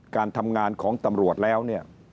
การทำงานของตำรวจแล้วเนี่ย